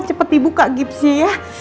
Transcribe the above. cepet dibuka gifsnya ya